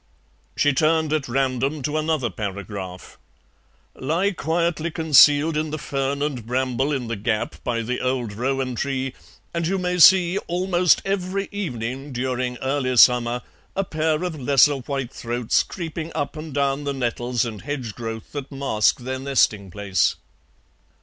She turned at random to another paragraph. "Lie quietly concealed in the fern and bramble in the gap by the old rowan tree, and you may see, almost every evening during early summer, a pair of lesser whitethroats creeping up and down the nettles and hedge growth that mask their nesting place."